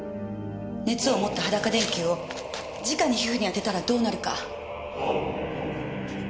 熱を持った裸電球を直に皮膚に当てたらどうなるか。